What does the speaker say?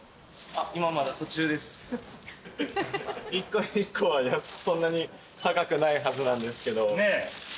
一個一個はそんなに高くないはずなんですけど。